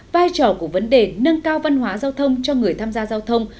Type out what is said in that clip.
vai trò của vấn đề nâng cao văn hóa giao thông cho người tham gia giao thông